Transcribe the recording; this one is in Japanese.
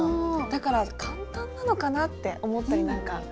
だから「簡単なのかな？」って思ったりなんかしてます。